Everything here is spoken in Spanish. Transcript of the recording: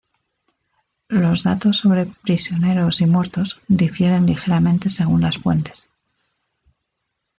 Los datos sobre prisioneros y muertos difieren ligeramente según las fuentes.